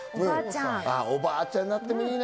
おばあちゃんになってもいいね。